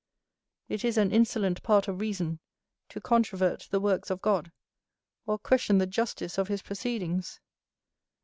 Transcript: It is an insolent part of reason, to controvert the works of God, or question the justice of his proceedings.